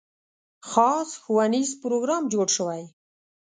خاص ښوونیز پروګرام جوړ شوی.